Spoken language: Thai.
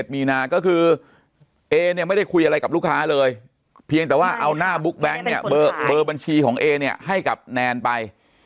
มีนาก็คือเอเนี่ยไม่ได้คุยอะไรกับลูกค้าเลยเพียงแต่ว่าเอาหน้าบุ๊กแก๊งเนี่ยเบอร์บัญชีของเอเนี่ยให้กับแนนไป